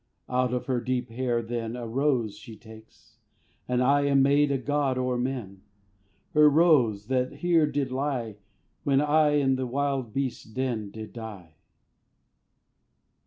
Out of her deep hair then A rose she takes and I Am made a god o'er men! Her rose, that here did lie When I, in th' wild beasts' den, Did die.